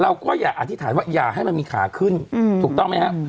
เราก็อย่าอธิษฐานว่าอย่าให้มันมีขาขึ้นถูกต้องไหมฮะ